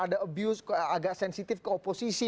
ada abuse agak sensitif ke oposisi